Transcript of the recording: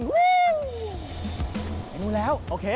อู๊วไม่มีแล้วโอเค